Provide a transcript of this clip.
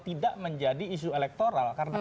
tidak menjadi isu elektoral karena